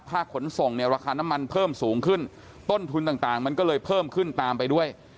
ขนส่งเนี่ยราคาน้ำมันเพิ่มสูงขึ้นต้นทุนต่างมันก็เลยเพิ่มขึ้นตามไปด้วย